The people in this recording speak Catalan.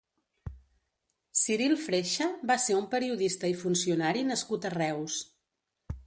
Ciril Freixa va ser un periodista i funcionari nascut a Reus.